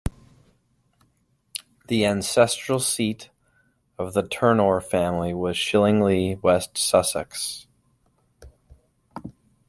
The ancestral seat of the Turnour family was Shillinglee, West Sussex.